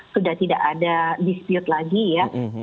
sudah tidak ada dispute lagi ya